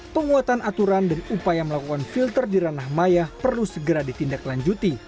penguatan aturan dan upaya melakukan filter di ranah maya perlu segera ditindaklanjuti